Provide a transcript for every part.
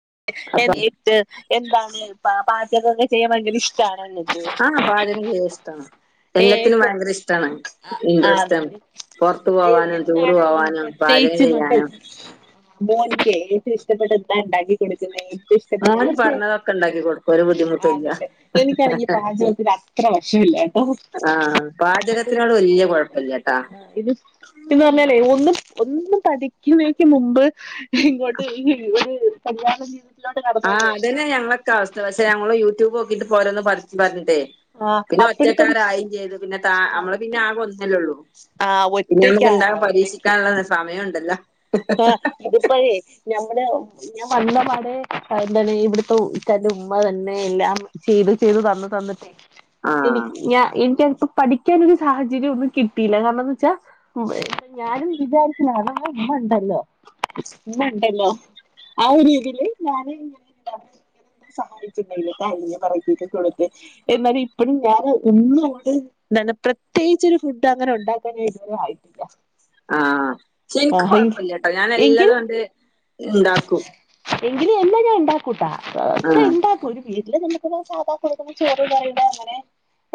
[unintelligible] അപ്പൊ [unintelligible] ഭയങ്കര ഇഷ്ടണങ്ങക്ക് ആ പാചകം ചെയ്യാൻ ഇഷ്ടാണ് എല്ലാത്തിനും ഏട്ട ഭയങ്കര ഇഷ്ടാണ് അ ഇൻട്രസ്റ്റ് ആതെ ആണ് പുറത്തു എ പോവാനും ടൂറ് എന്താണ് പോവാനും പാചകം പ്രത്യേകിച്ച് മക്കൾ ചെയ്യാനും മോന്കെ ഏറ്റവും ഇഷ്ടപ്പെട്ട ന്താ ഇണ്ടാക്കി കൊടുക്കുന്ന ഇഷ്ടപ്പെട്ട മോന് പറഞ്ഞതൊക്കെ ഉണ്ടാക്കി കൊടുക്കും ഒരു [unintelligible] ബുദ്ധിമുട്ടുമില്ല ആന്നല്ലേ എനിക്കറങ്ങി പാചകത്തി അത്ര വഷല്ല കേട്ടോ ആഹ് പാചകത്തിനോട് വല്യ കുഴപ്പമില്ലട്ടാ ഇത് പിന്ന് പറഞ്ഞാലേ ഒന്നും ഒന്ന് പഠിക്കുന്നേക്ക് മുമ്പ് ഇങ്ങോട്ട് കല്യാണം ചെയ ആഹ് അതന്നെ ഞങ്ങളൊക്കെ അവസ്ഥ പക്ഷെ ഞങ്ങള് യൂട്യൂബ് പോരന്ന് പു പറഞ്ഞിട്ടേ ആ പിന്നെ ഒറ്റ അപ്പഴത്തന്നെ ക്കാരായും ചെയ്തു പിന്നെ ത നമ്മള് പിന്നെ ആ അല്ലള്ളൂ ആ പിന്നെ നമുക്ക് ഒറ്റക്കാ ഇണ്ടാക അതാ ഒറ്റക്ക് പരീക്ഷിക്കാനുള്ള സമയം ഉണ്ടല്ലോ ആ ഇതിപ്പഴേ ഞമ്മുടെ ഞാൻ വന്നപാടെ എന്താണ് ഇവിടുത്തെ ഇക്കാന്റെ ഉമ്മ തന്നെ എല്ലാം ചെയ്തു ചെയ്തു തന്ന എനിക്ക് തന്നിട്ടേ ആഹ് എനിക്ക പഠിക്കാനൊ ഒരു സാഹചര്യം ഒന്നും കിട്ടിയില്ല കാരണംന്ന് വെച്ചാൽ ഞാനും വിചാരിക്കലാണ് ഇണ്ട ഇമ്മ ഇണ്ടല്ലോ ആ ഒരു രീതിയില് ഞാന്ങ്ങന സഹായിച്ചണ്ടെ തായെ പറകിക്കെ കൊടുത്ത് എന്നാലും ഇപ്പഴും ഞാൻ എന്നുകൂടെ എന്തണ് പ്രത്യേകിച്ചരു ഫുഡ് അങ്ങനെ ഉണ്ടാക്കാന ഇതുവരെ ആയിട്ടില്ല ആഹ ആ എനിക്ക് കൊഴപ്പില്ല കേട്ടോ ഞാൻ എങ്കിൽ എല്ലാതും ആണ്ട് ഉണ്ടാക്കും എങ്കില് എന്നെ ഞാൻ ഉണ്ടാക്കൂട്ടാക്ക ആഹ് ഉണ്ടാക്കൂ ഒരു ഇല്ല നമുക്ക് സാധാടുക്ക ചോറ് കറി അങ്ങനെ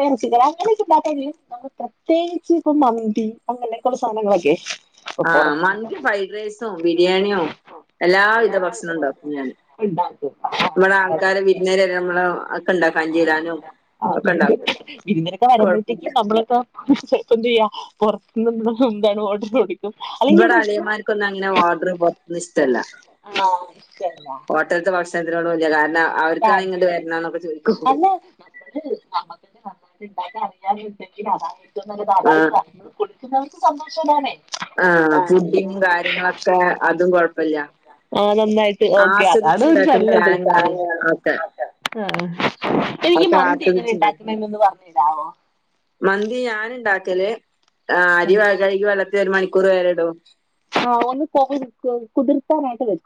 ഇറച്ചിക്കറി അങ്ങനെയൊക്കെ നമ്മൾ പ്രത്യേകിച്ച് ഇപ്പ മന്തി അങ്ങനൊക്കുള്ള സാധനങ്ങളൊക്കെ ഇപ്പൊ ആഹ പുറത്തുന്നൊക്കെ മന്തി ഫ്രൈഡ് റൈസോ ബിരിയാണിയോ എല്ലാവിധ ഭക്ഷണം ഉണ്ടാക്കും ഞാന് ഉണ്ടാക്കും നമ്മടെ ആൾക്കാര് വിരുന്നേര് നമ്മള് ഒക്കെ ഉണ്ടാക്കും അഞ്ചിരാനും ഒക്കെ ഉണ്ടാക്കും വിരുന്നൊക്കെ കുഴപ്പമില്ല വരുമ്പോഴത്തേക്കും നമ്മളൊക്കെ പ്പോ എന്ത് ചെയ്യ പുറത്തുനി എന്താണ് ഓഡാർ പിടിക്കു ഇവിടെ അളിയമാർക്കൊന്നും അങ്ങനെ ഓർഡർ പുറത്തന്ന ഇഷ്ടമല്ല ആണോ ഹോട്ടലത്തെ ഭക്ഷണത്തിനോട് വലിയ കാരണം അവർക്കാണ് ഇങ്ങോട്ട് താല്പര്യ വരണന്നൊക്കെ ചോദിക്കും അല്ല ഉണ്ടാക്കാൻ അറിയാനുണ്ടെങ്കിൽ അതാണ് ഏറ്റവും നല്ലത് അതായ ആഹ് കാര്യൾ കൊടുിക്കുന്നവർക്ക് സന്തോഷമാണേഅത് ആഹ പുഡിങ്ങും കാര്യങ്ങളൊക്കെ അതും കൊഴപ്പില്ല ആഹ് നന്നായിട്ട് ഓക്കെ അതാണ് ഒരു നല്ലത് സാധനങ്ങളാണ് ചായാണ് ഒക്കെ എനിക്ക് ഒക്കെ മന്തി എങ്ങനെ ആസ്വദിച്ചുണ്ടാക്കും ഉണ്ടാക്കുമ ഒന്ന് പറഞ്ഞരാവോ മന്തി ഞാന ഉണ്ടാക്കല് അരി കഴികി വെള്ളത്തി ഒരു മണിക്കൂർ വരെ ഇടും ആ് ഒന്ന് കോരി കുതിർത്താനായിട്ട് വെച്ച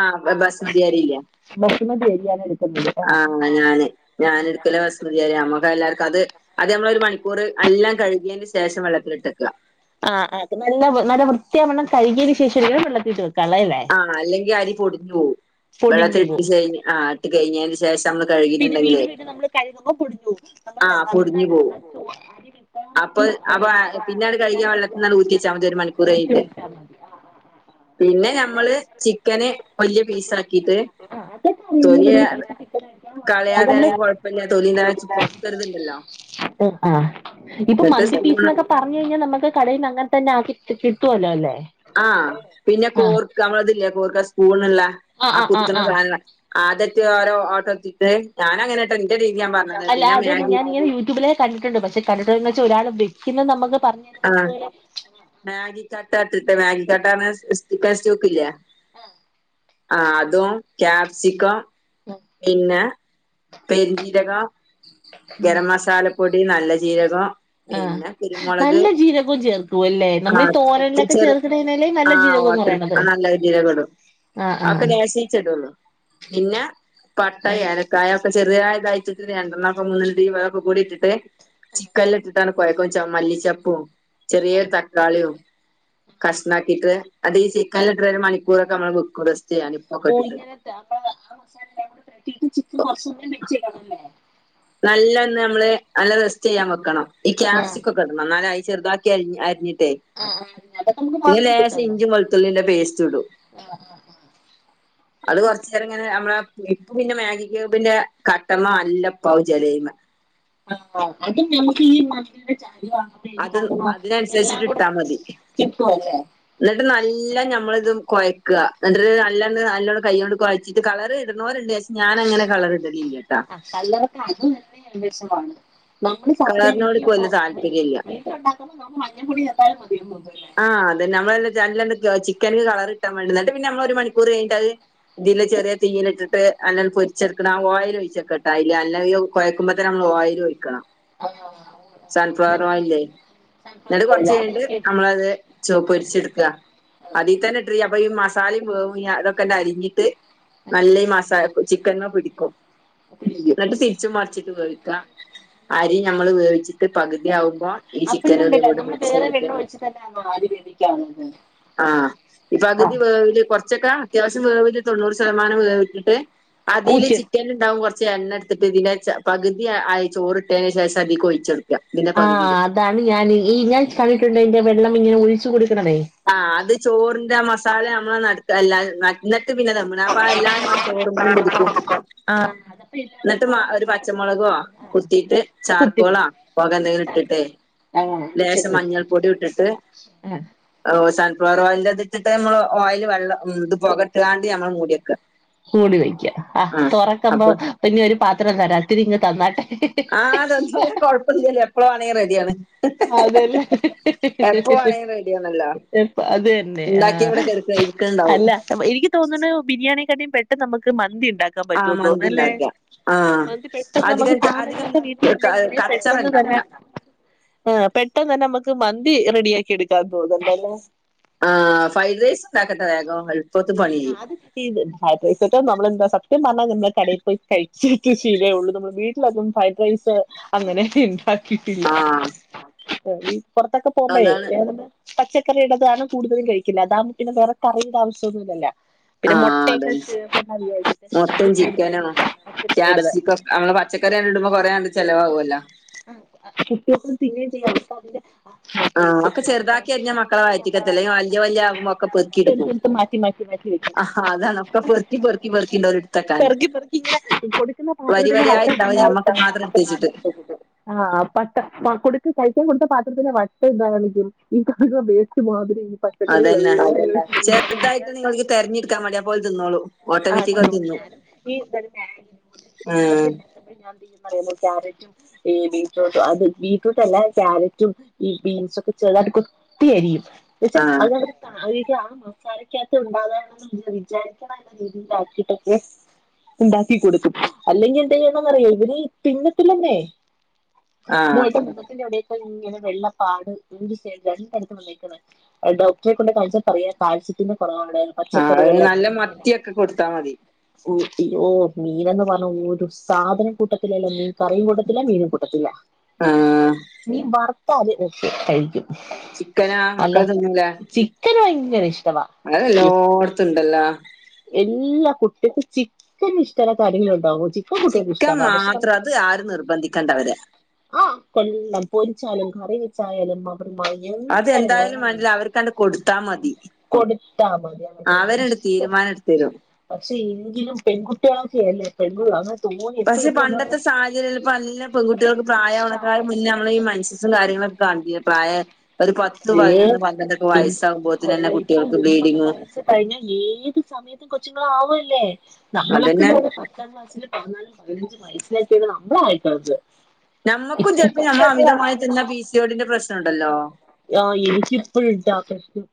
ആഹ ബാസ്മതിയരില്ല ബസുമതി എടുക്കുന്നത് ആഹ് ആഹ ഞാന് ഞാന എടുക്കല ഭസ്മതിയരി നമ്മു എല്ലാവർക്കും അത് അത് നമ്മളൊ ഒരു മണിക്കൂർ എല്ലാം കഴ ന് ശേഷം വെള്ളത്തിലിട്ടെക്ക ആ നല്ല നല്ല വൃത്തിയാവണ്ണം കഴുകിയതിന് ശേഷം വെള്ളത്തിലിട്ട് ആഹ അല്ലെങ്കിൽ അരി പൊടിഞ്ഞു പോവും പൊടിഞ്ഞു വെള്ളത്തിട്ടു പോവും കഴിഞ് ആ് ഇട്ട് കഴിഞ്ഞതിന് ശേഷം നമ്മള് പിന്നെ കഴുകിയിട്ടുണ്ടെങ്കിലേ വീണ്ടും വീണ്ടും നമ്മള് കഴുകുമ്പോൾ പൊടിഞ്ഞു പോകും നമ്മൾ ആഹ് പൊടിഞ്ഞു നന്നായിട്ട് പോവും നമ്മ ചോൽക്കാൻ അപ്പൊ അപ്പൊ വേണ്ടിത്തി പിന്നെ അത് കഴുകിയ വെള്ളത്തിന്നാണ്ട് ഊറ്റി വെച്ചാൽ [unintelligible] ഒരു മണിക്കൂറൈഞ്ഞിട്ട് ആ ആ പിന്നെ ഞമ്മള് ചിക്കന് വലിയ പീസ ആക്കിട്ട് അത കളയാതെണെങ്കിൽ കുഴപ്പമില്ല തൊലീ ആ ഇപ്പൊ എന്നിട്ട് മന്തി സ്പൂൺ പീസ് എന്നൊക്കെ പറഞ്ഞു കഴിഞ്ഞാൽ നമുക്ക് കടയിൽ അങ്ങനെ തന്നെ ആ കി കിട്ടുവല്ലോ അല്ലേ ആഹ പിന്നെ ആഹ് കോർക്ക് നമ്മള ഇതില്ല കോർക്ക സ്പൂണ്ല്ല ആഹ് ആ ആഹ് ആഹ് കുത്തണ ആഹ് സാധന ആദ്യട്ട ഓരോ ഓട്ട കുത്തിട്ട് ഞാനൻ അങ്ങനെട്ടോ അല്ല അതന്നെ ഞാൻത് യൂട്യൂബിലേ കണ്ടിട്ടുണ്ട് പക്ഷെ കണ്ടിട്ടുന്ന് വെച്ചാ ഒരാള് വെക്കുന്നത് നമുക്ക് പറഞ്ഞു തരുന്നത് ആഹ പോലെ മാഗി കട്ടാട്ട് മാഗി കട്ടാ പറഞ്ഞ പേസ്റ്റൊക്കെ ഇല്ലേ ആഹ അതും കാപ്സിക്കം പിന്നെ പെരുഞ്ചീരക ഗരം മസാലപ്പൊടി നല്ല ജീരകം ആഹ് പിന്നെ കുരുമുളക് നല്ല ജീരകവും ചേർക്കും അല്ലേ നമ്മളീ തോരനിലൊക്കെ ചേർക്കണേനല്ലേ നല്ല ജീരകം എന്ന് പറയണത് [unintelligible] നല്ല ജീരകം ഇടും ആഹ് ആഹ് ഒക്കെ ലേശിച്ചിടുള്ളു പിന്നെ പട്ട ആഹ് ഏലക്കായ ഒക്കെ ചെറിയായ ഇതായിട്ടിട്ട് രണ്ടണ്ണക്കെ മൂ വക കൂടിയിട്ടിട്ട് ചിക്കൻ ഇട്ടിട്ടാണ് കൊഴ കൊ ച മല്ലിച്ചപ്പും ചെറിയൊരു തക്കാളിയും കഷ്ണംമാക്കിട്ട് അത് ഈ ചിക്കനിലിട്ട് ഒരു മണിക്കൂറൊക്കെ നമ്മള് ചെയ്യാൻ ഉപ്പൊക്കെ ഓ ഇട്ടിട്ട് ഇങ്ങനെ അപ്പ ആ മസാല എല്ലാം കൂടെ തട്ടിട്ട് ചിക്കൻ കൊറച്ചൊന്നും വെച്ചേക്കണംല്ലേ നല്ലന്ന് നമ്മള് നല്ല റെസ്റ്റ് ചെയ്യാൻ വെക്കണം ഈ ആഹ് ക്യാപ്സിക് ഒക്കെടണം നാല് ചറുതാക്കി അരിഞ്ഞ് ആ ആ അതൊക്കെ നമുക്ക് പിന്നെ ലേശം മറന്നിട്ടല്ലോ ഇഞ്ചും വെളുത്തുള്ളിന്റെ പേസ്റ്റ് ഇടും ആ അത് കൊറച്ചു നേരം ഇങ്ങനെ നമ്മള് ഇപ്പ് പിന്നെ മാഗി ക്യൂബിന്റെ കട്ടമ്മല് അല്ല പ്പാവും ചെലെയ്മ ആ അതും നമുക്ക് ഈ മല്ലി അത് [unintelligible] എല്ലാം അതിനനുസരിച്ചിട്ട് കൂടെ ഇട്ടാ മതി കിപ്പുവല്ലേ എന്നിട്ട് നല്ല ഞമ്മളിതും കുഴയ്ക്കുക എന്നിട്ട് നല്ലണ്ണം നല്ലോണ്ണം കൈ കൊണ്ട് കുഴച്ചിട്ട് കളർ ഇടുന്നവരുണ്ട് ഞാന് അങ്ങനെ കളർ ഇടലില്ല കേട്ടാ കല്ലറക്ക് അത് തന്നെ നമ്മള് സാധാരണ വീട്ടില് ഇപ്പൊ വല്യ താല്പര്യം ഇല്ല ഉണ്ടാക്കുമ്പോ നമ്മള് മഞ്ഞ പൊടി ചേർത്താലും മതിയെന്ന് തോന്നുന്നല്ലേ ആഹ് അത് നമ്മളെ നല്ല എ ചിക്കന് കളർ കിട്ടാൻ വേണ്ടിട്ട് പിന്നെ നമ്മള് ഒരു മണിക്കൂർ കഴിഞ്ഞിട്ടത് ഇതില് ചെറിയ തീയിൽ ഇട്ടിട്ട് അല്ല പൊരിച്ചെടുക്ക ആ ഓയിൽ ഒഴിച്ചക്കെട്ടാ ഇല്ല അല്ല കൊയക്കുമ്പത്തേ നമ്മ ഓയിൽ ഒയ്ക്കണം എന്നിട്ട് കുറച്ച് ആഹ് കഴിഞ്ഞിട്ട് കേ നമ്മളത് പൊരിച്ചെടുക്കുക അതിൽ തന്നെ ഇട്ട അപ്പൊ ഈ മ മസാലയും വേവും അതൊക്കെ എ അരിഞ്ഞിട്ട് നല്ല മസ ചിക്കൻ പിടിക്കും എന്നിട്ട് തിരിച്ചും മറിച്ചിട്ട് വേവിക്കാം അരി ഞമ്മൾ വേവിച്ചിട്ട് പകുതിയാകുമ്പ അ ഈ ചിക്കൻ ഇതു കൂടി മിക്സ് ചെയ്തിട്ട് തന്നെ അരി വേവിക്കും ആഹ് ഇപ്പൊ പകുതി വേവില് കൊറച്ചൊക്കാ അത്യാവശ്യം വേവ് തൊണ്ണൂറ് ശതമാനം വേവിച്ചിട്ട് അതിൽ ഊറ്റി ചിക്കനല് ഉണ്ടാവും കുറ ച്ച് എണ്ണ എടുത്തിട്ട് ഇതിനെ പകുതി ആയി ചോറിട്ടതിന് ശേഷം അതിൽക്ക് ഒഴിച്ചു കൊടുക്കുക ആഹ് അതാണ് ഞാൻ ഈ ഞാൻ കണ്ടിട്ടുണ്ട് അന്റെ വെള്ളം ഇങ്ങനെ ഒഴിച്ച കൂടി ആ അത് ചോറിന്റെ മസാല നമ്മളെ നടുക്ക്ല്ല പിന്നെ നമ്മള് അപ്പ എല്ലാരും മസാല ചോറ്മ്മലും പിടിക്കും ആ എന്നിട്ട് ഒരു അപ്പൊ പച്ചമുളകോ കുത്തിയിട്ട് കുത്തിരി ചാർക്കോളോ പൊക എന്തെങ്കിലും ഇട്ടിട്ടേ ലേശം മഞ്ഞൾപ്പൊടി ഇട്ടിട്ട് ആഹ് ഫ്ലോർ ഓയിലത് ഇട്ടിട്ട് നമ്മള് ഓയിൽ വെള്ളം ഇത് പുകട്ടാണ്ട് ഞമ്മൾ മൂടിയക്കുക മൂടി വെക്കുക ആ തുറക്ക്പോ അപ്പൊ പിന്നെ ഒരു പാത്രം തരാംത്തിരി ഇങ് തന്നാട്ടെ ആഹ്തര ഞൻ കൊഴപ്പം ഇില്ലല്ലോ എപ്പോഴും മാണെങ്കിലും റെഡിയാണ് അതെല്ലെ എപ്പോ വേണെങ്കി റെഡിയാണല്ലോ അത് തന്നെ ആ ഉണ്ടാക്കി ഇവിടെ കെടക്ക ഇരിക്ക്ണ്ടാവും അല്ല എനിക്ക് തോന്നണ ബിരി ക്ക പെട്ടെന്ന് നമുക്ക് മന്തി ഉണ്ട ൻ ആ പറ്റും മന്തി തോന്നല്ലേെ ഇണ്ടാക്ക ആഹ് മന്തി പെട്ടെന്ന് അധികം അധികം സാധനങ്ങളൊക്കെ വീട്ടില് ഉണ്ടെങ്കി കച്ചറ [unintelligible] ഇണ്ടാവൂല ആ പെട്ടെന്ന് തന്നെ നമ്മുക്ക് മന്തി റെഡി ആാക്കി എടുക്കാ തോുന്നുണ്ടല്ലേ ആഹ് ഫ്രൈഡേയ്‌സും ഉണ്ടാക്കട്ടൊ വേഗം എളുപ്പത്ത് പണി കഴിയും നമ്മളെന്താ സത്യം കടയിൽ പോയി കഴിച്ചിട്ട് ശീലയേള്ളൂ നമ്മൾ വീട്ടിലക്കെ ഫ്രൈഡ് റൈസ് അങ്ങനെ കിട്ടില്ല ആഹ് പുറത്തൊക്കെ പോകുമ്പോഴേ അതാണ് പച്ചക്കറിയ ഇടതാണ് കൂടുതലും കഴിക്കില്ല അതാക്പ പിന്നെ വേറെ കറിയുടെ ആവശ്യം ഒന്നുല്ലല്ലോ പിന്നെ ആഹ് മുട്ടയൊക്കെ അതന്നെ മുട്ടയും ചേച്ചിട്ട ഇടണത് പച്ചക്കറിയാണ് ഇടുമ്പോ കൊറെേണ്ട് ചിലവാകുമല്ലോ ആഹ് കുട്ട്യോക്ക് തിന്നേം ചെയ്യാം ഇപ്പോ അതിന്റെ ആഹ് ഒക്കെ ചെറുതാക്കി അരിഞ്ഞാ മക്കളെ വറ്റിക്കത്തില്ല വല്യ വല്യ ആകുമ്പോ ഒക്കെ പെറുക്കിടുക്കും. എടുത്തെടുത്ത് മാറ്റി മാറ്റി മാറ്റി വെക്കും അ ഹാ അതാണ് ഒക്കെ പെറ്ക്കി പെറ്ക്കി പെറ്ക്കി ണ്ടോല്ട്ത്തക്കാന്. പൊടിക്കുന്ന പാത്രത്തിന് മാത്രം എടുത്ത് വെച്ചിട്ട് [unintelligible] ആ പട്ട കൊടുക്ക് കഴിക്കാൻ കൊട്ത്ത പാത്രത്തിന്റെ വട്ട ഇന്താണിക്കും ഈ കഴ വേസ്റ്റ് മാതിരി ഈ അതന്നെ പച്ചക്കറികളെല്ലാം ഇങ്ങനെ ചെറ്തായിട്ട് നിങ്ങൾക്ക് തെർഞ്ട്ക്കാൻ മടിയ പോലെ തിന്നോളും ആ, ഓട്ടോമാറ്റിക്കായി തിന്നോളും. തിന്നും. ഉം [unintelligible] ഈ ബീറ്റ്റൂട്ടും അത് ബീറ്റ്റൂട്ട ല്ല ക്യാരറ്റും ഈ ബീൻസൊക്കെ ചേർതായിട്ട് കൊത്തി അരിയും [unintelligible] ആഹ് ആ മസാലക്കകത് ഉണ്ടാകണോന്ന് വിചാരിക്കണന്നെ [unintelligible] ഉണ്ടാക്കി കൊടുക്കും അല്ലെങ്കി എന്ത് ചെയ്യണംന്നറിയോ ഇവര് തിന്നത്തില്ലന്നെ. ആഹ് [unintelligible] ഇങ്ങനെ വെള്ളപ്പാട് രണ്ട് സൈ രണ്ടടുത്തും വന്നെക്കണ് ഡോക്ടറെ കൊണ്ട് കാണിച്ചപ്പോ പറയാ കാഴ്ച ശക്തി റാട് ആഹ് അത് പച്ചക്കറികള് നല്ല മത്തിയൊക്കെ കൊടുത്താ മതി ഊട്ടി ഓ മീനന്ന് പറഞ്ഞ ഒരു സാധനം കൂട്ടത്തിലല്ലോ മീൻ കറിയും കൂടെ ല്ല മീനും കൂട്ടത്തില്ല. ആഹ് ക്കെ കഴിക്കും ചിക്കനാ അല്ല ചിക്കന് ഭ മഴ ഏല്ലോട്ത്ത്‌ണ്ടല്ലോ. എല്ലാ കുട്ടിക്കും ചിക്കന് ഇഷ്ടല്ലാത്ത ആരെങ്കിലുംണ്ടാവോ? ചിക്കം മാത്രം അത് ആരും നിർബന്ധിക്കണ്ടവരെ. ആ കൊല്ലം പൊരിച്ചാലും കറി വെച്ചായാലും അവരുമാ അത് എങ്ങനെ ഏന്തായാലും വേണമെങ്കിലും വാണ്ടില്ല. അവർക്കാണ്ട് കൊടുത്താ മതി. കൊടുത്താ മതി [unintelligible] അവരണ്ട് ഇഷ്ടം തീരുമാനം എടുത്തരും പക്ഷെ എങ്കിലും പെൺകുട്ട്യോളക്കെയല്ലേ പെ പഷേ പണ്ടത്തെ സാഹചര്യംല്ല പ്പ ല്ല പെകുട്ടികൾക്ക് പ്രായ അണക്കായ മുന്നേ നമ്മള് ഈ മൻഷ്യസും കാര്യങ്ങളൊക്കെ ആ പായ [unintelligible] കൊള്ള വയസ്സാകുമ്പോത്തിനന്നെ ഇപ്പൊ കുട്ടികൾക്ക് ഒമ്പത് ബ്ലീഡിങ്ങും വയസ് കഴിഞ്ഞ ഏത് സ സമയത്തും കൊച്ചുങ്ങളും ആവോ ല്ലെ അതന്നെ നമ്മളക്ക പത്താം ക്ലാസ്സിലും പതിനാലും പതിനഞ്ചും വയസ്സിലക്ക നമ്മളായേക്കണ്. ഞമ്മക്കും ചെല് പം ഞമ്മള് അമിതമായി തിന്ന പി സി ഓഡിന്റെ പ്രശ്നംണ്ടല്ലോ. എനിക്കിപ്പഴും ട്ടാ പ്രശ് നം.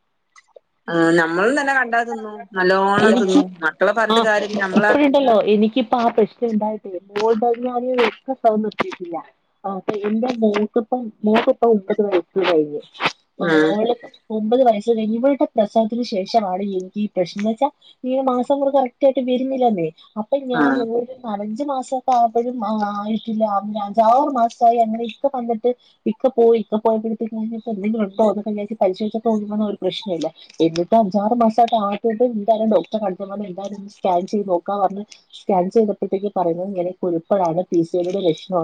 ആ നമ്മളും തന്നെ കണ്ടാ തന്നു. എനിക്ക് അ നമ്മളാ ഇപ്പഴുണ്ടല്ലോ എനിക്കിപ്പ ആ പ്രശ്നം ഉണ്ടായിട്ടെ [unintelligible] സവം നിർത്തീട്ടില്ല എന്റെ മോക്കിപ്പോ മോക്കിപ്പോ ഒമ്പതു [unintelligible] കയിഞ്ഞ് ആഹ് ഓളെ ഒമ്പത് വയസ് കയിഞ്ഞ് ഇവളുടെ പ്രസവത്തിന് ശേഷമാണ് എനിക്ക് ഈ പ്രശ്നം ച്ചാ ഈ മാസമുറ കറക്റ്റ് ആയിട്ട് വരുന്നില്ലെന്നേ അപ്പൊ ഞാൻ ആഹ് ഒരു നാലഞ്ച് മാസൊക്ക ആയപ്പഴും ആയിട്ടില്ല അഞ്ചാറ് മാസായി അങ്ങനെ ഇക്ക വന്നിട്ട് ഇക്ക പോയി [unintelligible] [unintelligible] ഡോക്ടറെ കാണിച്ചപ്പോ പറഞ്ഞ് എന്നാ ഒരു സ്കാൻ ചെയ്ത് നോക്കാന്ന് പറഞ്ഞ് സ്കാൻ ചെയ്തപ്പ ഴത്തേക്ക് പറഞ്ഞു ഇങ്ങന കുരുക്കള പിസെലുടെ ലക്ഷണാ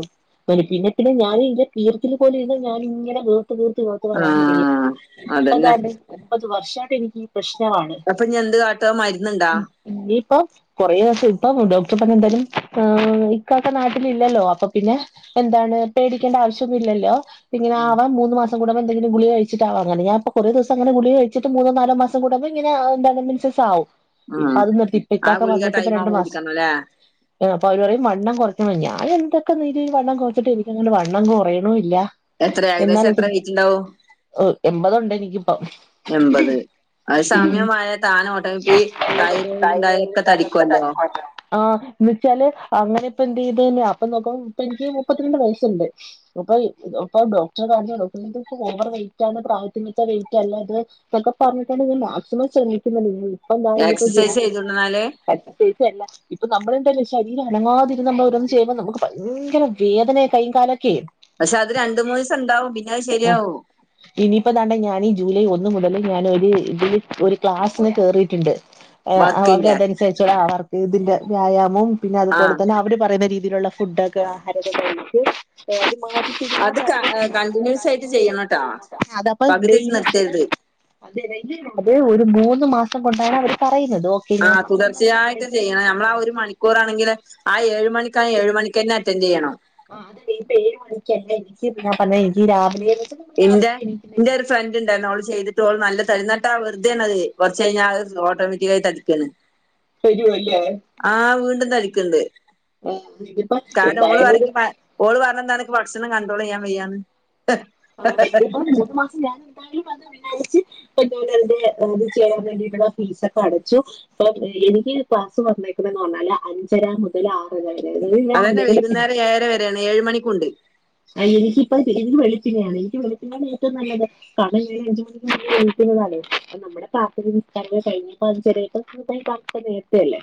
പിന്നെ പിന്നെ ഞാന് ഇന്റെ കീർത്തില് പോലെ ഇന്ന് ഞാനി ങ്ങനെ വ ആഹ് [unintelligible] ഇപ്പ അതന്നെ ദാണ്ടേ ഇപ്പോര് വർഷായിട്ടെനിക്ക് പ്രശ്നമാണ്. ത്ത മര്ന്ന്ണ്ടാ. ഇപ്പ കൊറേ ദിവസം ഇപ്പം ഡോക്ടർ പറഞ്ഞ ന്തായാലും ആ ഇക്കാക്ക നാട്ടില് ല്ലല്ലോ അപ്പൊ പിന്നെ എന്താണ് പേടിക്കേണ്ട ആവിശ്യന്നുല്ലല്ലോ ഇങേനാവാൻ മൂന്നു മാ സം കൂടുമ്പ എന്തെങ്കിലും ഗുളിക കഴിച്ചിട്ട് ആവ ഞാൻ അങ്ങനെ കുറേ ദിവസം ഗുളിക കഴിച്ചിട്ട് മൂന്നോ നാലോ മാസം കൂടുമ്പോ ഇങ്ങനഎന്താണ് മെൻസസ് ഇപ്പ ഉം അത് നിർത്തിപ്പ ആ ക്കാക്ക ഗുളിക വന്നിട്ട് ഇപ്പ ടൈം രണ്ട് ആവുമ്പോ മാസ കുടിക്കണല്ലേ പ്പ അവര് പറയും വണ്ണം അവര് പറയും വണ്ണം കൊറയ്ക്കണം അപ്പൊ അവര് പറയും വണ്ണം കുറക്കണം ന്ന് ഞാനെന്തൊക്കെ രീതി വണ്ണം കുറച്ചിട്ടുംഎനിക്ക്ങ്ങനെ വണ്ണംകുറയുണുല്ല എത്ര ഏകദേശം എത്ര വെയ്റ്റ്ണ്ടാവും ഓ എമ്പതുണ്ടെനിക്കിപ്പ എൺപത് അത് ഉം... സാമ്യമായ താൻ ഓട്ടോമാറ്റിക് തൈറോയിഡ് ഉണ്ടായാലൊക്കെ തടിക്കുവല്ലോ വിളിച്ചില് അങ്ങനെ ഇപ്പ എന്ത് ചെയ്ത് തന്നെയ അങ്ങനിപ്പെന്തെയ്തെല് അപ്പൊ നോക്കുമ്പ ഇപ്പനിക്ക് മുപ്പന്ത്രണ്ട് വയസ്ണ്ട് അപ്പൊ. ഇപ്പൊ ഡോക്ടറെ [inaudible] അപ്പനിക്ക് ഓവറ് വെയ്റ്റാണ് പ്രായത്തിനൊത്ത വെയ്റ്റല്ലിത് ന്ന്ട്ടൊക്കെ പറഞ്ഞിട്ടാണ് മാക്സിമം ശ്രമിച്ചാ ഇപ്പൊ ഇപ്പോ എക്സസൈസ് ജോത് ചെയ്തുടന്നാല് [inaudible] ഇപ്പ നമ്മളെണ്ടല്ലൊ ശരീരനങ്ങാതിര്ന്ന്നമ്മളോരോന്ന് ചെയ്യിമ്പോ നമക്ക് ഭയങ്കര വേദനകയ്യിങ്കാലൊക്കെ എ പക്ഷെ അത് രണ്ട് മൂന്ന് ദിവസം ഉണ്ടാവും പിന്നെ അത് അ ശരിയാവും ഇനിപ്പതാണ്ടെ ഞാനീ.... ജൂലൈ ഒന്ന് മുതൽ ഞാനൊര് ഇതില് ഒര് ക്ലാസില് കയറീട്ടുണ്ട്. എ അവരതൻസരിച്ചുള്ള വർക്കിന്റെ അതനുസരിച്ചുള്ള ആവർതീദിന്റെ വ്യാമം ആഹ് പിന്നതുപോലെന്നെ അവര് പറയുന്ന രീതീലുള്ള ഫുഡൊക്കെ ആഹാരൊക്കെകഴിച്ച് [inaudible] അത് കണ്ടിന്യൂസ് ആയിട്ട് ചെയ്യണംട്ടാ അതാപ്പോ പകുതി വെച്ച് ചെയ്യ അതപ്പ നിർത്തരുത് അതേ ഒരു മൂന്ന് മാസം കൊണ്ടാണ് അവർ ആ തുടർച്ചയായിട്ടുംചെയ്യണം ഞമ്മളാവൊരുമണിക്കൂറാണെങ്കിലും ആ ഏഴ്മണി ക്കാഏഴ്മണിക്കെന്നറ്റൻന്റെയ്യണം ആ അതിപ്പ ഏഴ്മണിക്കല്ലെ എനിക്ക് ഞാ പറഞേ... രാവിലേ... ഇന്റെ ഇന്റൊരു ഫ്രണ്ട്ണ്ടാർന്നു ഓള് ചെയ്തിട്ടോഓള് നല്ല തരിനട്ടാ.. വെറ്തേണത് കുറച്ചയ്ഞാ... അത് ഓട്ടോമെറ്റിക്കായി തടിക്കാണ് പരിവല്ലേ.... ന്താരിക്കിണ്ട് ഇതിപ്പോ കാരണം എന്തായാലും ഒരു ഓളറയുംക്ക് പൈ ഓള്പറഞ്ഞെന്താണ് ഇക്ക് ഭക്ഷണം ക കണ്ട്രോള്യ്യാ വയ്യാന്ന് ആ ഇത്പ്പം മൂന്ന്മാസം ഞാനെന്താലുംവന്ന് വിചാരിച്ച് ദെ അദ് ചെയ്യാവേണ്ടിട്ടാണ് ഫീസൊക്കടച്ചു പ്പൊ എനിക്ക്ക്ലാസ്സ്‌വന്നേക്ക്ന്നെ പറഞ്ഞാല് അഞ്ചരാ മുതല് ആറര വരെ അതായത് അതെന്നെ രാവിലെ വെളുപ്പിനെ വൈകുന്നേര ഏഴരവരെയാണ് ഏഴ്മണിക്കൂണ്ട്. ആ.. എനിക്കിപ്പംഎനിക്ക് വെളിപ്പിനെയാണ് എനിക്ക് വെളുപ്പിനാണെറ്റോം നല്ലത് കാരണം ഞാൻ അഞ്ച്മണിക്കല്ലേ ണീക്കുന്നത് റ്റാല് നമ്മുടെ പ്രാർത്തനേം നിസ്ക്കാരങ്ങളും കഴിഞ്ഞ ചെലപ്പം നേരത്തെ അല്ലേ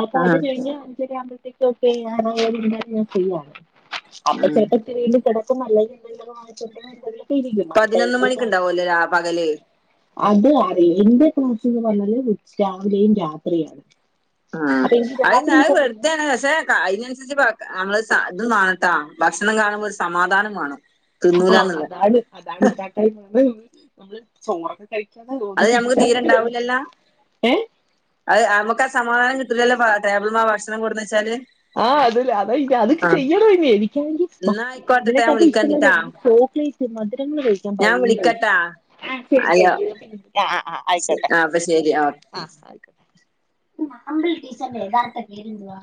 അപ്പൊ അത് ആഹ് കഴിഞ്ഞ്പിന്നെ അഞ്ചരായാമ്പത്തേയ്ക്കും ആവ്പോത്തേക്കൊക്കെ ഞാൻ ഞാൻ ചെയ്യാണ് ആഹ് അപ്പൊ ത് വീണ്ടും കിടക്കുന്നല്ലയോ അല്ലയൊ പതിനൊന്ന് മണിക്ക്ണ്ടാവല്ലോ രാ പകല് [unintelligible] [unintelligible] ന്ന് [inaudible] പറഞ്ഞാല് രാവിലെയും രാത്രിയാണ് ആ.. അപ്പൊ എനിക്ക് അത് ന്ന രാത്രി അ സമയത്ത് വെറുതാണ്പഷേ അയ്നനുസരിച്ച് പ ഞമ്മള് ശത് മാണട്ടോ ഭക്ഷണം കാണുമ്പള് സമാധാനംവേണം അ അതാണ് അതാണ്ല്ലാണ്ടായിപോയൊ നമ്മള് ചോറൊക്കെ കഴി അത് ഞമ്മക്ക് തീരണ്ടാവ് ലല്ലാ... ഏ അത് അ അമക്കാ സമാധാനം കിട്ടൂലല്ലോപാ ടേബിൾമാ ഭക്ഷണം കൊട്ന്നെചാല് ആ.. അത്. അത് അത്ക്ക് ചെയ്യനോം ഇനി മ്.. മ എന്നാ ആയിക്കോട്ടെട്ടാ ഞാൻ ഇതിനെക്കാട്ടീം ഇഷ്ടം വിളിക്കണ്ട്ട്ടാ ചോക്ലേറ്റ് മധുരങ്ങള് കഴിക്കാൻ ഞാൻ ഭയങ്കര വിളിക്കട്ടാ ഇഷ്ടാ ആ ശരിയ... ഹലോ അ അ അയിക്കോട്ടെ ആഹ് അപ്പൊ ശരി ഓക്കെ അ ആ.. അമ്പിളി ടീച്ചറിന്റെ യഥാർത്ഥ പേരെന്തുവാ?